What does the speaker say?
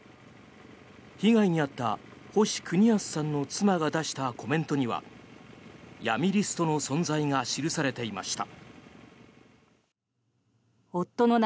被害に遭った星邦康さんの妻が出したコメントには闇リストの存在が記されていました。